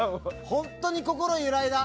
本当に心揺らいだ！